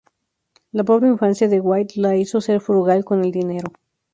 La pobre infancia de White la hizo ser frugal con el dinero.